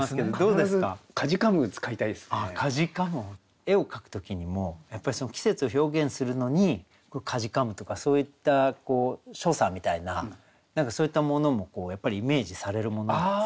絵を描く時にもやっぱり季節を表現するのに「悴む」とかそういった所作みたいな何かそういったものもやっぱりイメージされるものです？